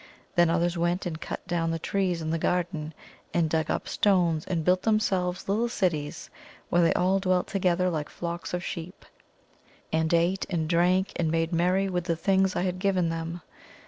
Then others went and cut down the trees in the garden, and dug up stones, and built themselves little cities, where they all dwelt together like flocks of sheep, and ate and drank and made merry with the things I had given them.